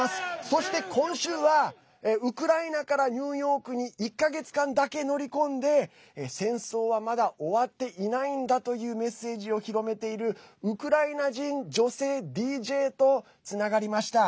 そして今週はウクライナからニューヨークに１か月間だけ乗り込んで戦争はまだ終わっていないんだというメッセージを広めているウクライナ人女性ＤＪとつながりました。